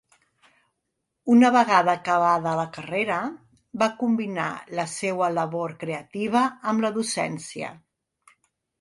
Una vegada acabada la carrera, va combinar la seua labor creativa amb la docència.